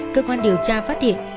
cơ quan điều tra phát hiện